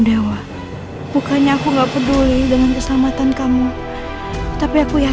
sampai jumpa di video selanjutnya